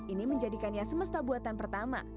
ini menjadikannya semesta buatan pertama